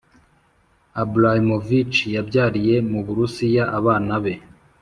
abramovic yabyariye mu burusiya abana be